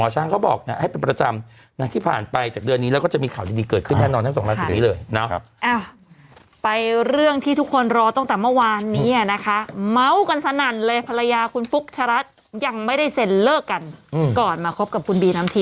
ช่างแล้วไปหาอันนี้ในไทยรักษาอันไลน์แต่คุณตาบอกว่าคุณตาคุณตาเนเน่ว่าไง